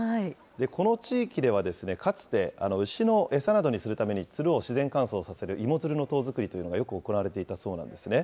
この地域ではかつて、牛の餌などにするために、つるを自然乾燥させる芋づるの塔作りというのがよく行われていたそうなんですね。